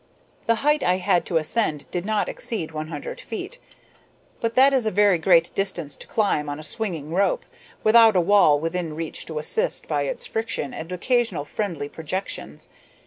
The height I had to ascend did not exceed one hundred feet, but that is a very great distance to climb on a swinging rope, without a wall within reach to assist by its friction and occasional friendly projections.